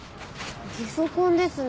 ゲソ痕ですね。